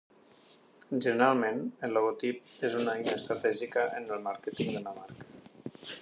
Generalment, el logotip és una eina estratègica en el màrqueting d'una marca.